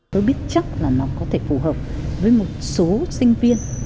tôi biết chắc là nó có thể phù hợp với một số sinh viên